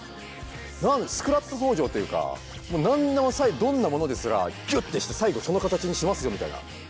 スクラップ工場っていうか何でもどんなものですらギュッてして最後その形にしますよみたいな。